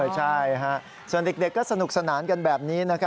ใช่ส่วนเด็กก็สนุกสนานกันแบบนี้